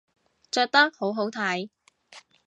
着得好好睇